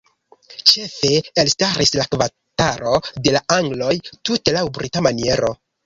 Ĉefe elstaris la kvartalo "de la angloj" tute laŭ brita maniero.